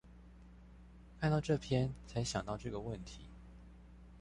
看到這篇才想到這個問題